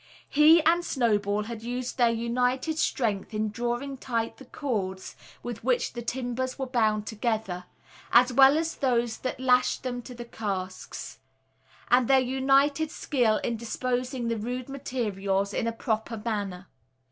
He and Snowball had used their united strength in drawing tight the cords with which the timbers were bound together, as well as those that lashed them to the casks, and their united skill in disposing the rude materials in a proper manner.